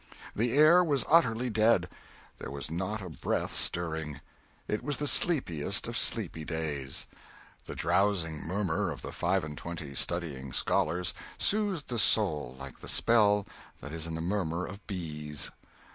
The air was utterly dead. There was not a breath stirring. It was the sleepiest of sleepy days. The drowsing murmur of the five and twenty studying scholars soothed the soul like the spell that is in the murmur of bees.